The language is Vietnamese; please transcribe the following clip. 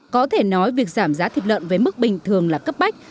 có thể nói việc giảm giá thịt lợn với mức bình thường là cấp bách